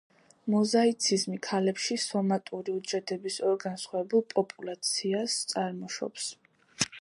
მოზაიციზმი ქალებში სომატური უჯრედების ორ განსხვავებულ პოპულაციას წარმოშობს.